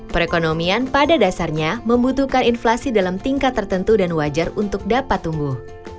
perekonomian pada dasarnya membutuhkan inflasi dalam tingkat tertentu dan wajar untuk dapat tumbuh